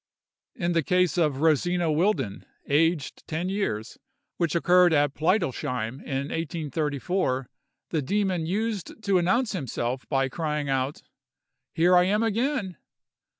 In the case of Rosina Wildin, aged ten years, which occurred at Pleidelsheim, in 1834, the demon used to announce himself by crying out, "Here I am again!"